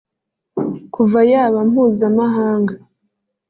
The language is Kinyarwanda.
kuva yaba mpuzamahanga